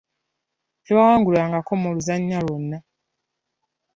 Tebawangulwangako mu luzannya lwonna.